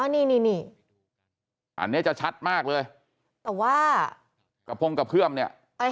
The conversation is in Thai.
นี่นี่อันนี้จะชัดมากเลยแต่ว่ากระพงกระเพื่อมเนี่ย